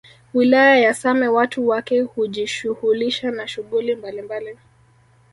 Wilaya ya Same watu wake hujishuhulisha na shughuli mbalimbali